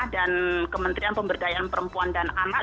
dan kementerian pemberdayaan perempuan dan anak